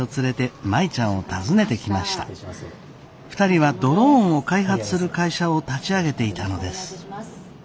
２人はドローンを開発する会社を立ち上げていたのです。